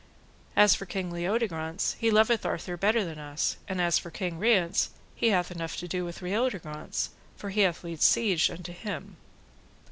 As for King Leodegrance, he loveth Arthur better than us, and as for King Rience, he hath enough to do with Leodegrance, for he hath laid siege unto him.